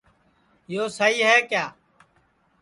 یو سئہی ہے کیا